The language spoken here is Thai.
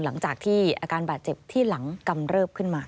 หลังจากที่อาการบาดเจ็บที่หลังกำเริบขึ้นมา